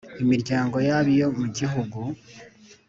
Imiryango yaba iyo mu gihugu